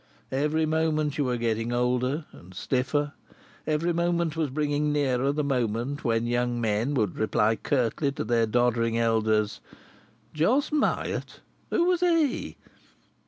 Every moment you were getting older and stiffer; every moment was bringing nearer the moment when young men would reply curtly to their doddering elders: "Jos Myatt who was '_e?